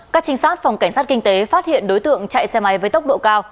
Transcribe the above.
các trinh sát phòng cảnh sát kinh tế phát hiện đối tượng chạy xe máy với tốc độ cao